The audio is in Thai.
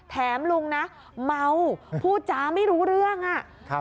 แถมลุงนะเมาพูดจ้าไม่รู้เรื่องอ่ะ